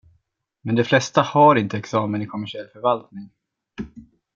Men de flesta har inte examen i kommersiell förvaltning.